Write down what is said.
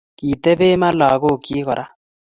Kitebe Ma lagokchi kora